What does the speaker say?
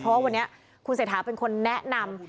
เพราะว่าวันนี้คุณเศรษฐาเป็นคนแนะนำ